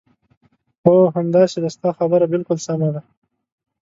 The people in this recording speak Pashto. هو، همداسې ده، ستا خبره بالکل سمه ده.